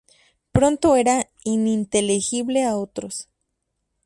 Pronto era ininteligible a otros.